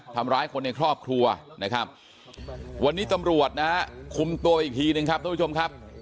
ทำร้ายคนในครอบครัวนะครับวันนี้ตำรวจนะฮะคุมตัวอีกทีหนึ่งครับทุกผู้ชมครับ